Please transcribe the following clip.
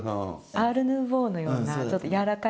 アール・ヌーヴォーのようなちょっと柔らかい形。